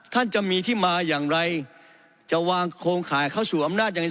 ท่านจะมีที่มาอย่างไรจะวางโครงข่ายเข้าสู่อำนาจยังไง